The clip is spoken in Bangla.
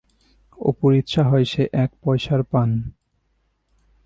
অপুর ইচ্ছা হয় সে এক পয়সার পান।